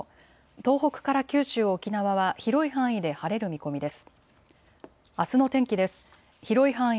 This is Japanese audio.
東北から九州、沖縄は広い範囲で晴れる見込みです。